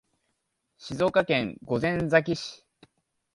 静岡県御前崎市